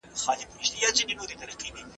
ښه خوب فکر روښانه کوي.